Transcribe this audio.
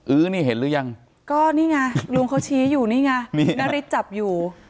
ื้อนี่เห็นหรือยังก็นี่ไงลุงเขาชี้อยู่นี่ไงนี่นาริสจับอยู่